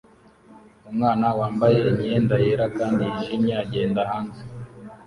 Umwana wambaye imyenda yera kandi yijimye agenda hanze